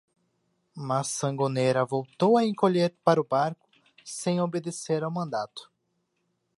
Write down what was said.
Mas Sangonera voltou a encolher para o barco sem obedecer ao mandato.